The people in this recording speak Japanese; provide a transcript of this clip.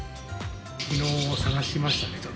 きのう探しましたね。